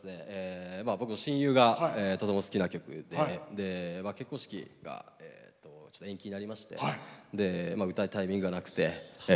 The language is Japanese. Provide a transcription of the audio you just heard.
親友がとても好きな曲で結婚式が延期になりまして歌うタイミングがなくて。